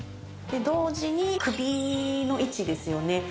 同時に首の位置ですよね。